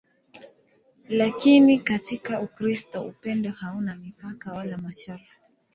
Lakini katika Ukristo upendo hauna mipaka wala masharti.